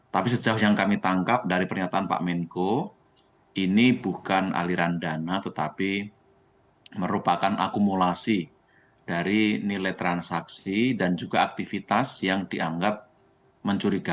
tapi sejauh yang kami tangkap dari pernyataan pak menko ini bukan aliran dana tetapi merupakan akumulasi dari nilai transaksi dan juga aktivitas yang dianggap mencurigakan